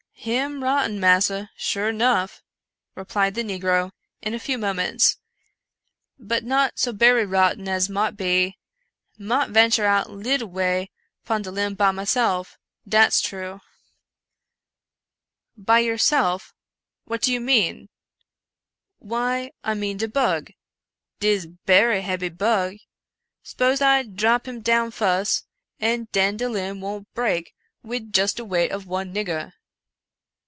" Him rotten, massa, sure nuff," replied the negro in a few moments, " but not so berry rotten as mought be. Mought venture out leetle way pon de limb by myself, dat's true." 138 Edgar Allan Poe '■"," By yourself! — what do you mean? "" Why, I mean de bug. 'Tis berry hebby bug. Spose I drop him down fuss, an den de limb won't break wid just de weight of one nigger."